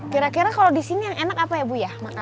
kira kira kalau di sini yang enak apa ya bu ya